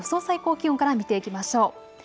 最高気温から見ていきましょう。